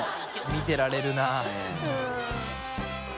見てられるな。